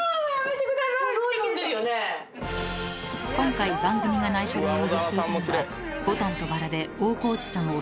［今回番組が内緒でお呼びしていたのは『牡丹と薔薇』で大河内さんを壮絶にいじめた］